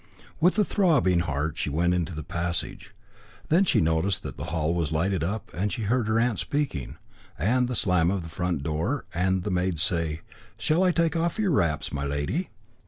With throbbing heart she went into the passage. Then she noticed that the hall was lighted up, and she heard her aunt speaking, and the slam of the front door, and the maid say, "Shall I take off your wraps, my lady?"